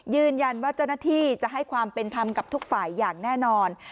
ยืนยันว่าเจ้าหน้าที่จะให้ความเป็นธรรมกับทุกฝ่ายอย่างแน่นอน